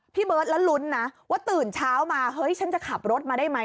พี่เบิร์ตแล้วลุ้นนะว่าตื่นเช้ามาเฮ้ยฉันจะขับรถมาได้ไหม